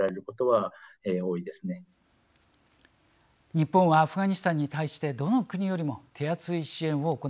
日本はアフガニスタンに対してどの国よりも手厚い支援を行ってきました。